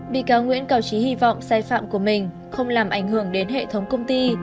bị cáo nguyễn cao trí hy vọng sai phạm của mình không làm ảnh hưởng đến hệ thống công ty